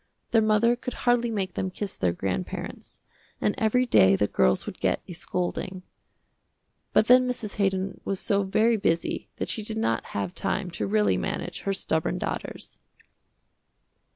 Their mother could hardly make them kiss their grandparents, and every day the girls would get a scolding. But then Mrs. Haydon was so very busy that she did not have time to really manage her stubborn daughters.